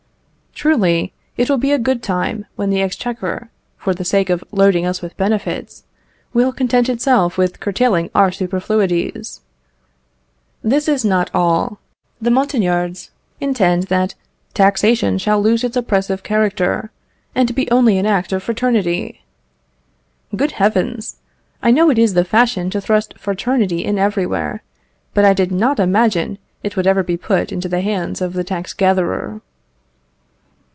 Truly, it will be a good time when the exchequer, for the sake of loading us with benefits, will content itself with curtailing our superfluities! This is not all. The Montagnards intend that "taxation shall lose its oppressive character, and be only an act of fraternity." Good heavens! I know it is the fashion to thrust fraternity in everywhere, but I did not imagine it would ever be put into the hands of the tax gatherer.